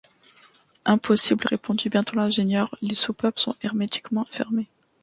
Impossible! répondit bientôt l’ingénieur, les soupapes sont hermétiquement fermées.